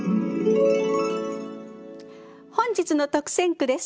本日の特選句です。